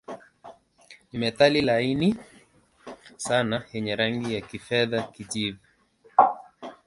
Ni metali laini sana yenye rangi ya kifedha-kijivu.